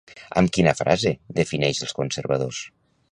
Amb quina frase defineix els conservadors?